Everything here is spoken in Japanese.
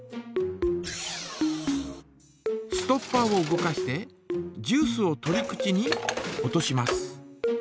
ストッパーを動かしてジュースを取り口に落とします。